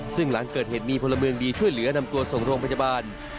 ซึ่งหลังเกิดเหตุมีพลเมืองดีช่วยเหลือนำตัวส่งโรงพยาบาล